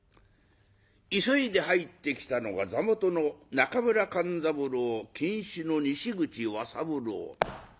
急いで入ってきたのが座元の中村勘三郎金主の西口和三郎。